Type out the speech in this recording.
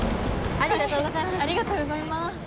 ありがとうございます。